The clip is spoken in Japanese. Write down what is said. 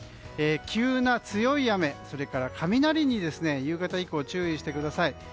急な強い雨、それから雷に夕方以降、注意してください。